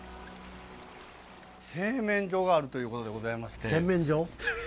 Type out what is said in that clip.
製麺所があるということでございまして。